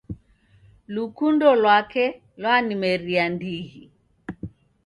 Lukundo lwake lwanimeria ndighi